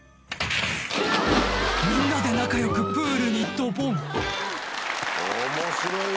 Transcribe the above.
みんなで仲良くプールにドボン面白いよ